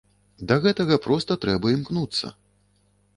Да гэтага проста трэба імкнуцца!